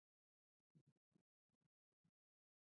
د پوستکي د داغونو لپاره باید څه شی وکاروم؟